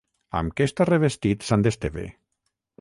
Amb què està revestit sant Esteve?